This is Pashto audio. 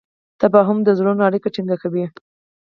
تفاهم د زړونو اړیکه ټینګه کوي.